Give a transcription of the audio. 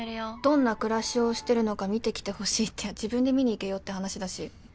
「どんなくらしをしてるのか見てきてほしい」って自分で見にいけよって話だし。